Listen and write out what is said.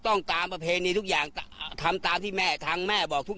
ตามประเพณีทุกอย่างทำตามที่แม่ทางแม่บอกทุก